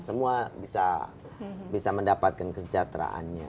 semua bisa mendapatkan kesejahteraannya